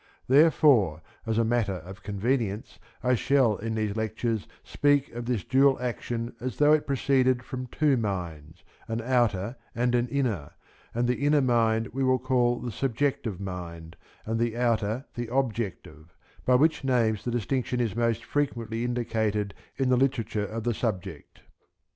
Therefore, as a matter of convenience, I shall in these lectures speak of this dual action as though it proceeded from two minds, an outer and an inner, and the inner mind we will call the subjective mind and the outer the objective, by which names the distinction is most frequently indicated in the literature of the subject.